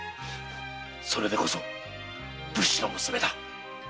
それでこそ武士の娘だ。